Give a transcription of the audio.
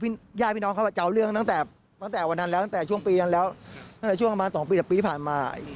พี่ย่ายพี่น้องเขาจะเอาเรื่องตั้งแต่วันนั้นแล้วตั้งแต่ช่วงปีนั้นแล้วตั้งแต่ช่วงปีนี้ผ่านมา